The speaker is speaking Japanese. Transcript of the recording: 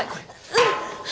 うん